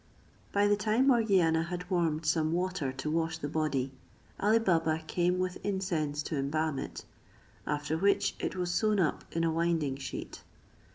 By the time Morgiana had warmed some water to wash the body, Ali Baba came with incense to embalm it, after which it was sewn up in a winding sheet.